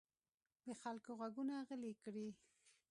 د خلکو غږونه غلي کړي.